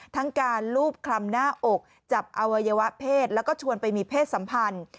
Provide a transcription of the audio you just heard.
ทั้งการลูบคลำหน้าอกจับอวัยวะเพศแล้วก็ชวนไปมีเพศสัมพันธ์